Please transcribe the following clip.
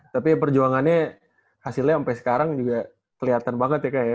tapi perjuangannya hasilnya sampai sekarang juga kelihatan banget ya kak ya